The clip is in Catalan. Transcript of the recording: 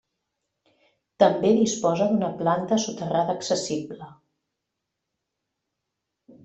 També disposa d'una planta soterrada accessible.